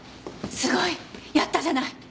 すごい！やったじゃない！